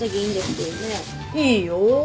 いいよ。